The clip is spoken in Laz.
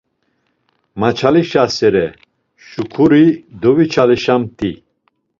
Maçalişasere şuǩuri deviçalişamt̆i.